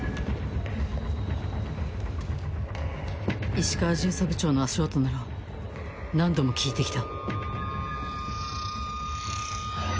石川巡査部長の足音なら何度も聞いて来た